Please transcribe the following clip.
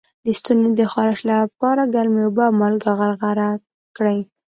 د ستوني د خارش لپاره ګرمې اوبه او مالګه غرغره کړئ